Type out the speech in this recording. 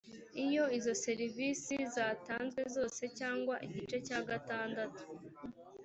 iyo izo serivisi zatanzwe zose cyangwa igice cya gatandatu